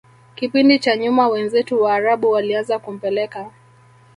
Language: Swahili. kipindi cha nyuma wenzetu waarabu walianza kumpeleka